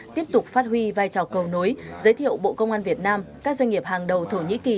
tiếp tục phát huy vai trò cầu nối giới thiệu bộ công an việt nam các doanh nghiệp hàng đầu thổ nhĩ kỳ